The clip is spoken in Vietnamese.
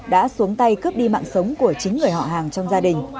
và cướp đi mạng sống của chính người họ hàng trong gia đình